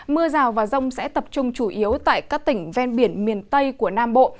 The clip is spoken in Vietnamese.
mưa rào và rông sẽ tập trung chủ yếu tại các tỉnh ven biển miền tây của nam bộ